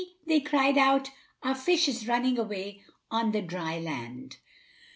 they cried out, "our fish is running away on the dry land!"